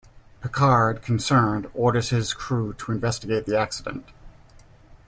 Picard, concerned, orders his crew to investigate the accident.